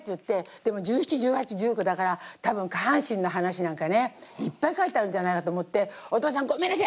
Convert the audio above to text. でも１７１８１９だから多分下半身の話なんかねいっぱい書いてあるんじゃないかと思って「お父さんごめんなさい。